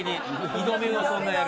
２度見をそんなやる。